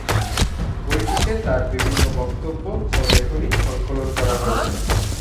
বইটিতে তার বিভিন্ন বক্তব্য ও লেখনী সংকলন করা হয়েছে।